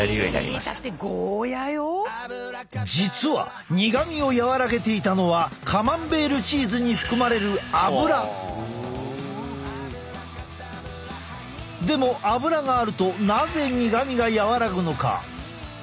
実は苦みを和らげていたのはカマンベールチーズに含まれるでもアブラがあるとなぜ苦みが和らぐのか？